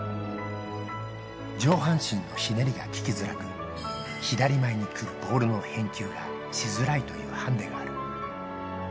上半身のひねりが利きづらく、左前に来るボールの返球がしづらいというハンデがある。